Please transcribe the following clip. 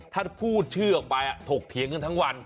ถ้าพูดชื่อออกไปถกเถียงกันทั้งวัน